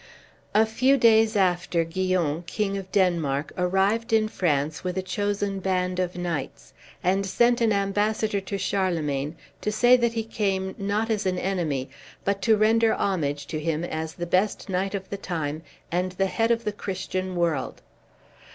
A few days after Guyon, King of Denmark, arrived in France with a chosen band of knights, and sent an ambassador to Charlemagne, to say that he came, not as an enemy, but to render homage to him as the best knight of the time and the head of the Christian world.